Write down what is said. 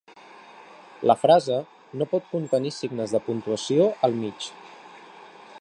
La frase no pot contenir signes de puntuació al mig